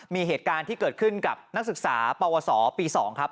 มีเหตุการณ์ที่เกิดขึ้นกับนักศึกษาปวสปี๒ครับ